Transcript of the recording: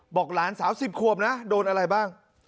หลานสาว๑๐ขวบนะโดนอะไรบ้าง